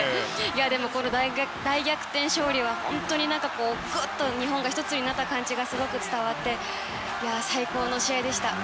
でもこの大逆転勝利は本当にグッと日本が一つになった感じがすごく伝わって最高の試合でした。